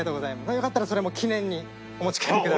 よかったらそれも記念にお持ち帰りください。